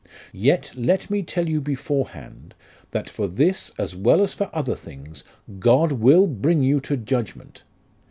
Yet let me tell you beforehand, that for this as well as for other things, God will bring you to judgment.